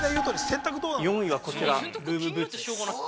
◆４位はこちら、ルームブーツです。